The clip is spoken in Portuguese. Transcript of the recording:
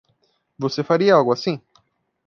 Você faria algo assim?